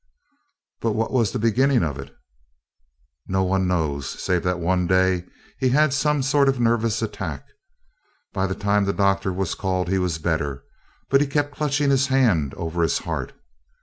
"But what was the beginning of it?" "No one knows, save that one day he had some sort of nervous attack. By the time the doctor was called he was better, but he kept clutching his hand over his heart.